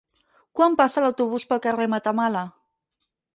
Quan passa l'autobús pel carrer Matamala?